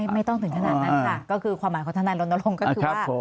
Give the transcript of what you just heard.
ไม่ต้องถึงขนาดนั้นค่ะก็คือความหมายของทนายรณรงค์ก็คือว่า